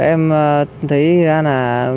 em thấy ra là